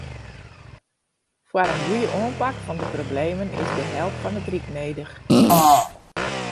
Foar in goeie oanpak fan de problemen is de help fan it ryk nedich.